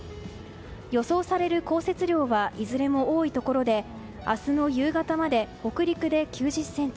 予想される降雪量はいずれも多いところで明日の夕方まで、北陸で９０ｃｍ